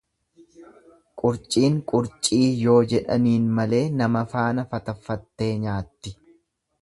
Qurciin qurcii yoo jedhaniin malee nama faana fataffattee nyaatti.